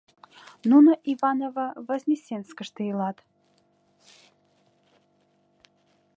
Нуно Иваново-Вознесенскыште илат.